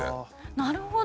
なるほど。